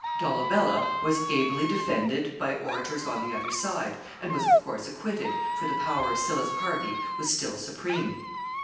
Dolabella was ably defended by orators on the other side, and was, of course, acquitted, for the power of Sylla's party was still supreme.